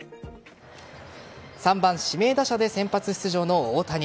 ３番・指名打者で先発出場の大谷。